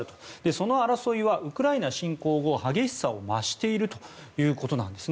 その争いはウクライナ侵攻後激しさを増しているということです。